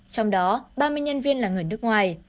trong đó ba mươi nhân viên là người nước ngoài